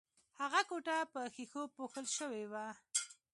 هغه کوټه په ښیښو پوښل شوې وه